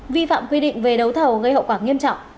vi phạm quy định về đấu thầu gây hậu quả nghiêm trọng